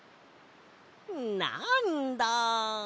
なんだ。